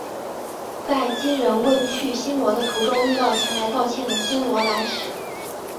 在金仁问去新罗的途中遇到前来道歉的新罗来使。